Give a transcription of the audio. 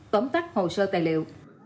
tấm tắt hồ sơ tài liệu